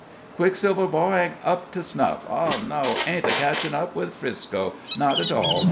"Quicksilver Bar hain't up to snuff oh, no! Ain't a catchin' up with Frisco not at all!